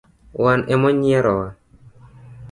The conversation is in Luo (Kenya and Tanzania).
Wan e mo nyierowa.